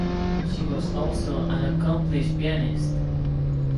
She was also an accomplished pianist.